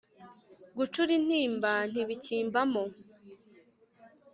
gucura intimba ntibikimbamo